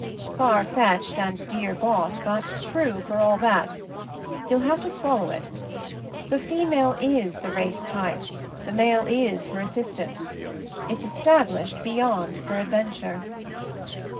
"Far fetched and dear bought, but true for all that. You'll have to swallow it. The female is the race type; the male is her as sistant. It's established beyond peradven ture."